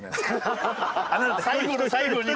最後の最後に。